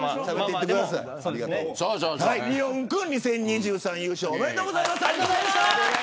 理音君、２０２３優勝おめでとうございました。